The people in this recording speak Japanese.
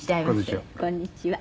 こんにちは。